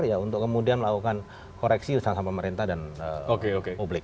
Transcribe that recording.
ya untuk kemudian melakukan koreksi usaha sama pemerintah dan publik